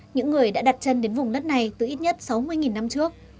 những người đã đặt chân đến vùng đất này từ ít nhất sáu mươi năm trước